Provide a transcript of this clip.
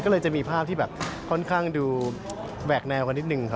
ก็เลยจะมีภาพที่ค่อนข้างดูแวกแนวกันนิดหนึ่ง